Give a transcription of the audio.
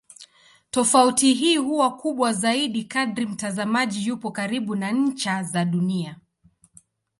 Tofauti hii huwa kubwa zaidi kadri mtazamaji yupo karibu na ncha za Dunia.